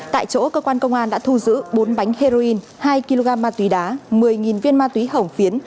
tại chỗ cơ quan công an đã thu giữ bốn bánh heroin hai kg ma túy đá một mươi viên ma túy hồng phiến